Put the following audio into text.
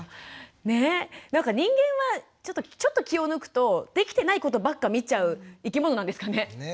なんか人間はちょっと気を抜くとできてないことばっか見ちゃう生き物なんですかね？